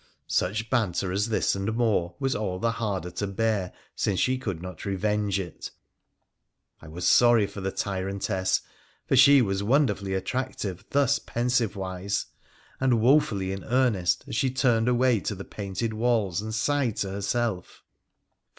Such banter as this, and more, was all the harder to bear since she could not revenge it. I was sorry for the tyrantess, PHRA THE PttCENlClAN 49 for she was wonderfully attractive thus pensive wise, and wofully in earnest as she turned away to the painted walla and sighed to herself.